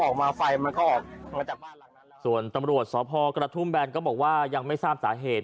ออกมาไฟมันก็ออกมาจากบ้านหลังนั้นแล้วส่วนตำรวจสอบภอกรัฐทุ่มแบนก็บอกว่ายังไม่ทราบสาเหตุ